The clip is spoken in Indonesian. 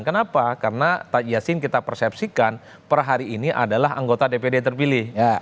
kenapa karena tad yassin kita persepsikan per hari ini adalah anggota dpd terpilih